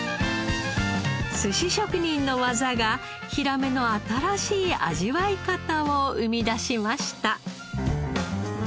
寿司職人の技がヒラメの新しい味わい方を生み出しました。